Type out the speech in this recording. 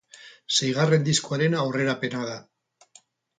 Seigarren diskoaren aurrerapena da.